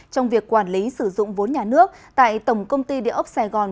trong việc quản lý sử dụng vốn nhà nước tại tổng công ty địa ốc sài gòn